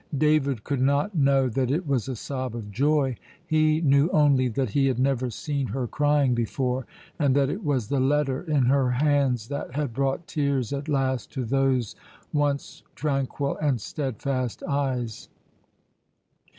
David could not know that it was a sob of joy; he knew only that he had never seen her crying before, and that it was the letter in her hands that had brought tears at last to those once tranquil and steadfast eyes.